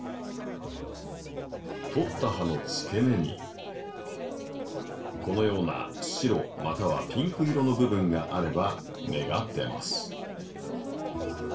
取った葉のつけ根にこのような白またはピンク色の部分があれば芽が出ます。